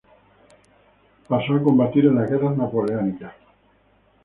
Pasó a combatir en las guerras napoleónicas.